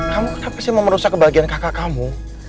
kamu kenapa sih mau merusak kebahagiaan kakak kamu